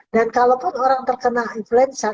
dan kalaupun orang terkena influenza